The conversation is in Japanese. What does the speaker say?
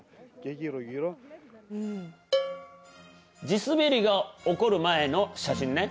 地滑りが起こる前の写真ね。